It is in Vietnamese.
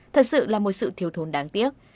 thật sự là một sự thiếu thốn đáng tiếc